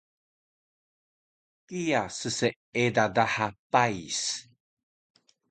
kiya sseeda daha pais